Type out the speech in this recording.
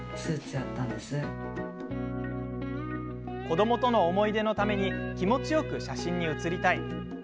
子どもとの思い出のために気持ちよく写真に写りたい。